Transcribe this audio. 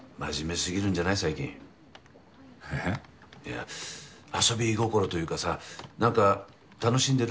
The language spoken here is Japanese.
いや遊びゴコロというかさなんか楽しんでる？